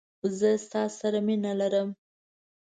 زه ستا سره مینه لرم